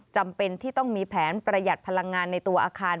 จำเป็นที่ต้องมีแผนประหยัดพลังงานในตัวอาคาร